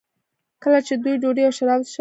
کله چې دوی ډوډۍ او شراب وڅښل.